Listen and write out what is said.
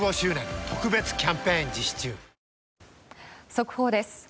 速報です。